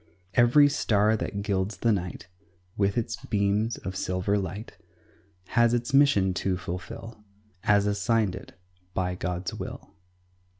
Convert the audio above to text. Every star that gilds the night With its beams of silver light Has its mission to fulfil, As assigned it by God's will.